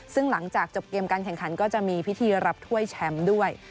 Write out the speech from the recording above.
ซึ่งหลังจากจบเกมการแข่งขันก็จะมีพิธีรับถ้วยแชมป์ด้วย